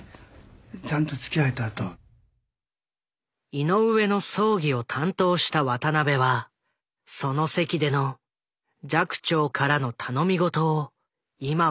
井上の葬儀を担当した渡辺はその席での寂聴からの頼みごとを今も忘れることができない。